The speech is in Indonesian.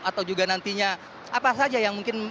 atau juga nantinya apa saja yang mungkin